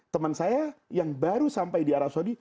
teman saya yang baru sampai di arab saudi